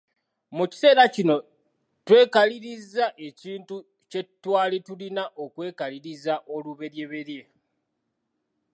Mu kiseera kino twekaliriza ekintu kye twali tulina okwekaliriza oluberyeberye.